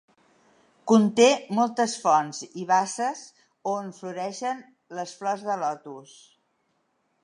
Conté moltes fonts i basses on floreixen les flors de lotus.